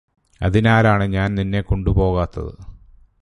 അതിനാലാണ് ഞാന് നിന്നെ കൊണ്ട് പോകാത്തത്